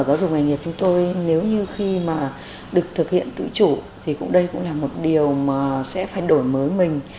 giáo dục nghề nghiệp chúng tôi nếu như khi mà được thực hiện tự chủ thì cũng đây cũng là một điều mà sẽ phải đổi mới mình